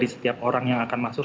di setiap orang yang akan masuk